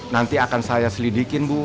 nanti akan saya selidikin bu